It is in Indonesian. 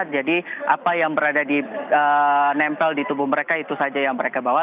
jadi apa yang berada di nempel di tubuh mereka itu saja yang mereka bawa